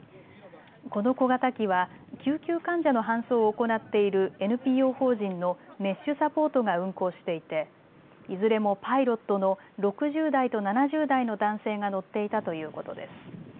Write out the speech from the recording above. この小型機は救急患者の搬送を行っているＮＰＯ法人のメッシュ・サポートが運航していていずれもパイロットの６０代と７０代の男性が乗っていたということです。